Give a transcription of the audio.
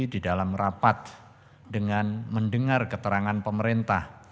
di dalam rapat dengan mendengar keterangan pemerintah